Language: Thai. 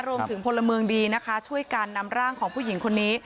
พลเมืองดีนะคะช่วยกันนำร่างของผู้หญิงคนนี้